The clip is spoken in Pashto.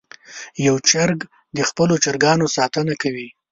یو چرګ د خپلو چرګانو ساتنه کوله.